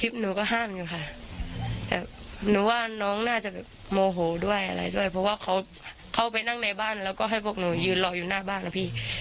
เพราะว่าเขาเข้าไปนั่งในบ้านแล้วก็ให้พวกหนูยืนรออยู่หน้าบ้านนะพี่